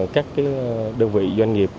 các đơn vị doanh nghiệp